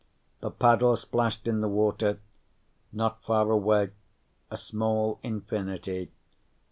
The paddle splashed in the water. Not far away: a small infinity.